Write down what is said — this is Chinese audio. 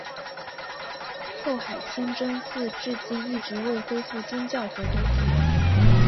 后海清真寺至今一直未恢复宗教活动。